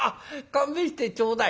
勘弁してちょうだい」。